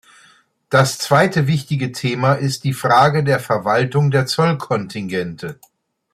Das zweite wichtige Thema ist die Frage der Verwaltung der Zollkontingente.